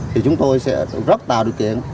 thì chúng tôi sẽ rất tạo điều kiện